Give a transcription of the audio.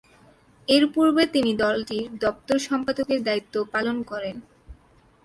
এরপূর্বে তিনি দলটির দপ্তর সম্পাদকের দায়িত্ব পালন করেন।